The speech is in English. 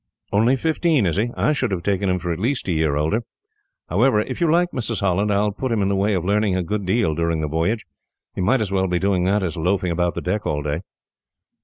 "Only fifteen, is he? I should have taken him for at least a year older. However, if you like, Mrs. Holland, I will put him in the way of learning a good deal, during the voyage. He might as well be doing that as loafing about the deck all day."